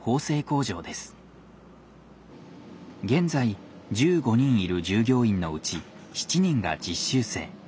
現在１５人いる従業員のうち７人が実習生。